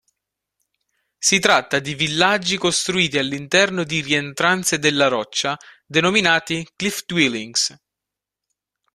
Si tratta di villaggi costruiti all'interno di rientranze della roccia, denominati cliff-dwellings.